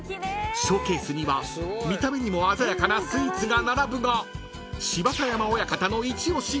［ショーケースには見た目にも鮮やかなスイーツが並ぶが］